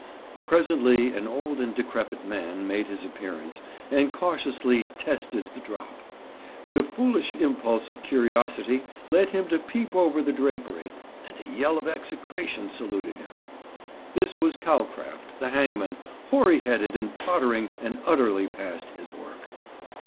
Presently an old and decrepit man made his appearance, and cautiously "tested" the drop; but a foolish impulse of curiosity led him to peep over the drapery, and a yell of execration saluted him. This was Calcraft, the hangman, hoary headed and tottering and utterly past his work.